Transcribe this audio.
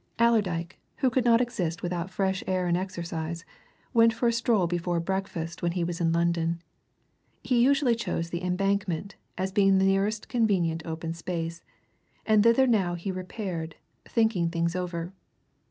Allerdyke, who could not exist without fresh air and exercise, went for a stroll before breakfast when he was in London he usually chose the Embankment, as being the nearest convenient open space, and thither he now repaired, thinking things over.